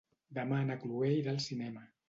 Demà na Cloè irà al cinema.